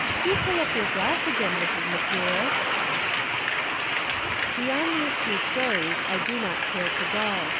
Do fill up your glass again, Mrs. McCool." Beyond these two stories, I do not care to go.